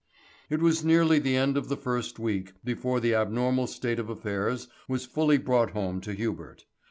It was nearly the end of the first week before this abnormal state of affairs was fully brought home to Hubert.